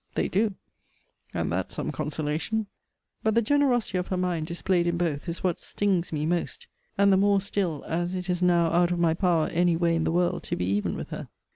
They do and that's some consolation. But the generosity of her mind displayed in both, is what stings me most. And the more still, as it is now out of my power any way in the world to be even with her.